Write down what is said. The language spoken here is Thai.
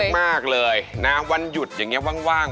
มากเลยนะวันหยุดอย่างนี้ว่าง